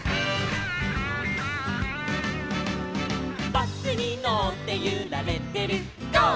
「バスにのってゆられてるゴー！